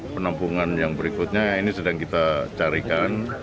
penampungan yang berikutnya ini sedang kita carikan